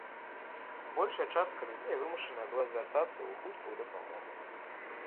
Большая частка людзей вымушаная была звяртацца ў хуткую дапамогу.